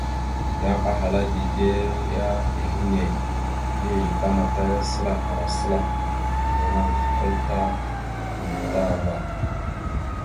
Yan ahala dide ya ehene, mbiyez tamataya səla ara səla, no naŋgasl kwal ta matam ava.